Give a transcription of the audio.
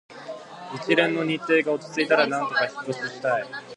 一連の日程が落ち着いたら、なんとか引っ越ししたい